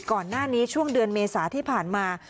ก่อนหน้านี้ช่วงเดือนเมษาที่ผ่านมา